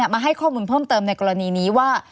มาให้ข้อมูลเพิ่มเติมในกรณีนี้ว่า